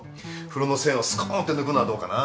風呂の栓をすこーんって抜くのはどうかな？